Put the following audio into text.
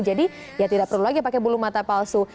jadi ya tidak perlu lagi pakai bulu mata palsu